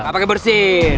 gak pake bersih